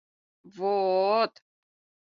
Во-от...